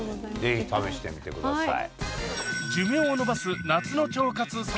ぜひ試してみてください。